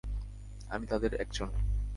আমি তাদের একজন।